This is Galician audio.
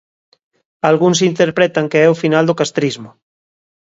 Algúns interpretan que é o final do castrismo.